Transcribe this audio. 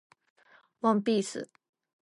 ワンピース